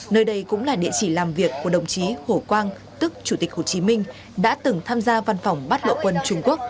nơi đây cũng là địa chỉ làm việc của đồng chí hồ quang tức chủ tịch hồ chí minh đã từng tham gia văn phòng bắt lộ quân trung quốc